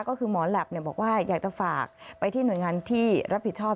ก็คือหมอแหลปบอกว่าอยากจะฝากไปที่หน่วยงานที่รับผิดชอบ